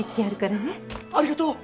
ありがとう！